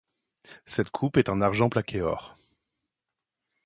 Cette Coupe est en argent plaqué or.